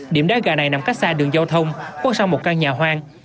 điểm đá gà này nằm cách xa đường giao thông quốc sang một căn nhà hoang